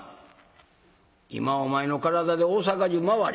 今お前の体で大坂中回れ。